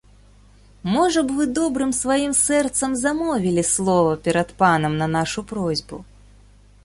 Можа б вы добрым сваім сэрцам замовілі слова перад панам на нашу просьбу.